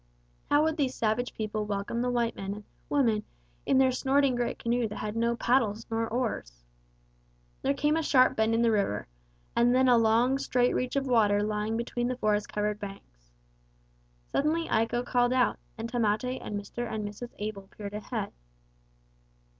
How would these savage people welcome the white men and woman in their snorting great canoe that had no paddles, nor oars? There came a sharp bend in the river, and then a long straight reach of water lying between the forest covered banks. Suddenly Iko called out, and Tamate and Mr. and Mrs. Abel peered ahead.